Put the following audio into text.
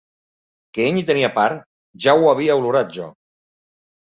Que ell hi tenia part, ja ho havia olorat, jo!